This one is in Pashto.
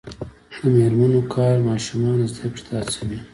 د میرمنو کار د ماشومانو زدکړې ته هڅوي.